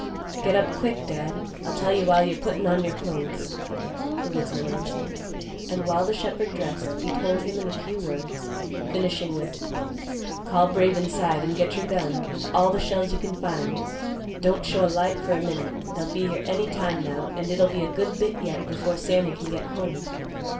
"Get up quick, Dad; I'll tell you while you're puttin' on your clothes," the woodsman answered; and while the shepherd dressed, he told him in a few words, finishing with, "Call Brave inside, and get your gun, with all the shells you can find. Don't show a light for a minute. They'll be here any time now, and it'll be a good bit yet before Sammy can get home."